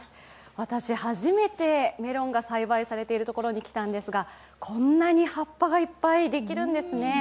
私、初めてメロンが栽培されているところに来たんですがこんなに葉っぱがいっぱいできるんですね。